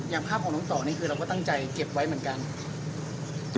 ภาพของน้องต่อนี่คือเราก็ตั้งใจเก็บไว้เหมือนกัน